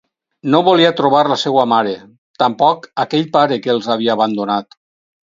No volia trobar la seua mare, tampoc aquell pare que els havia abandonat.